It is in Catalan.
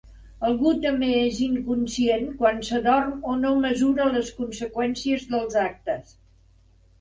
Algú també és inconscient quan s'adorm o no mesura les conseqüències dels actes.